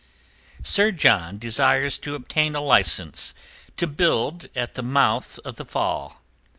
Sir John desires to obtain a licence to build at the mouth of the Fal.